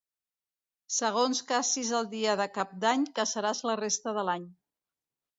Segons cacis el dia de Cap d'Any, caçaràs la resta de l'any.